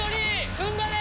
ふんばれ！